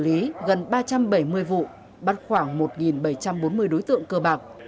ý gần ba trăm bảy mươi vụ bắt khoảng một bảy trăm bốn mươi đối tượng cơ bạc